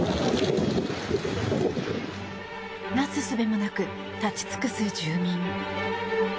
なすすべもなく立ち尽くす住民。